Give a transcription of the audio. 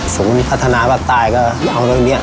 ศูนย์พัฒนาภาคใต้ก็เอาเรื่องนี้